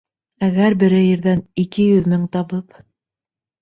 Әгәр берәй ерҙән ике йөҙ мең табып...